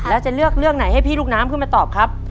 แล้วจะเลือกเรื่องไหนให้พี่ลูกน้ำขึ้นมาตอบครับ